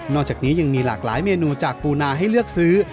จากนี้ยังมีหลากหลายเมนูจากปูนาให้เลือกซื้อ